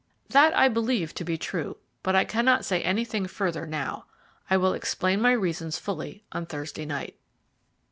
"That I believe to be true, but I cannot say anything further now. I will explain my reasons fully on Thursday night."